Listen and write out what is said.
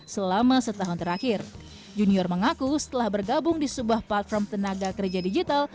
selama setahun terakhir junior mengaku setelah bergabung di sebuah platform tenaga kerja digital